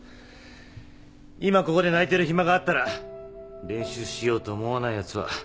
今ここで泣いてる暇があったら練習しようと思わないヤツはダメなんじゃないのか？